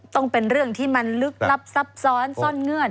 เป็นเรื่องที่มันลึกลับซับซ้อนซ่อนเงื่อน